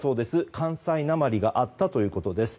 関西なまりがあったということです。